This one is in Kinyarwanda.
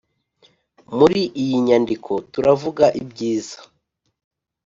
muri iyi nyandiko, turavuga ibyiza